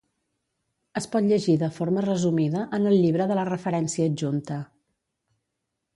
Es pot llegir de forma resumida en el llibre de la referència adjunta.